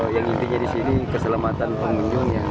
yang intinya disini keselamatan pengunjungnya